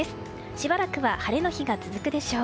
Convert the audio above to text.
しばらくは晴れの日が続くでしょう。